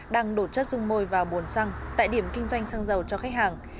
đăng đột chất dung môi vào bồn xăng tại điểm kinh doanh xăng dầu cho khách hàng